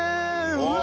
うわ！